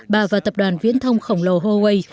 bà và tập đoàn viễn thông khổng lồ huawei